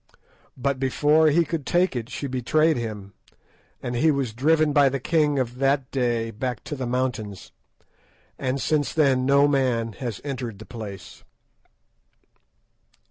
But before he could take it she betrayed him, and he was driven by the king of that day back to the mountains, and since then no man has entered the place."